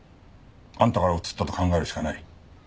あんたからうつったと考えるしかない。